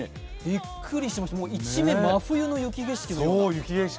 びっくりしました一面、真冬の雪景色のような。